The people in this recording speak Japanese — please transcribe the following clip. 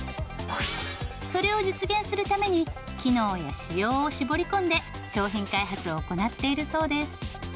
それを実現するために機能や仕様を絞り込んで商品開発を行っているそうです。